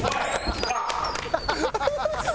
ハハハハ！